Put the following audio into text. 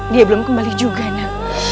dia belum kembali juga nak